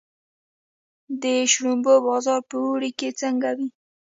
د شړومبو بازار په اوړي کې څنګه وي؟